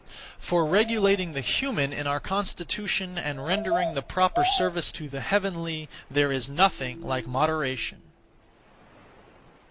For regulating the human (in our constitution) and rendering the (proper) service to the heavenly, there is nothing like moderation.